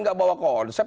tidak bawa konsep